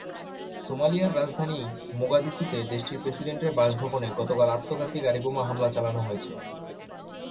সোমালিয়ার রাজধানী মোগাদিসুতে দেশটির প্রেসিডেন্টের বাসভবনে গতকাল আত্মঘাতী গাড়িবোমা হামলা চালানো হয়েছে।